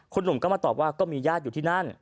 คุณหนุ่มก็มาตอบว่าก็มีญาติอยู่ที่นั่น